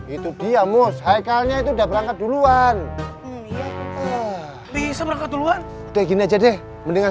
itu dia musikalnya itu udah berangkat duluan bisa berangkat duluan kayak gini aja deh mendingan